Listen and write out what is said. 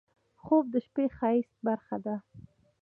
خوب د شپه د ښایست برخه ده